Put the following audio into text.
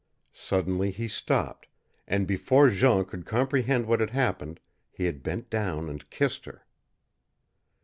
Suddenly he stopped, and before Jean could comprehend what had happened he had bent down and kissed her.